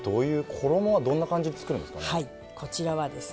衣はどんな感じで作るんですか？